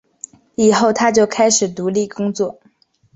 以后他就开始独立工作。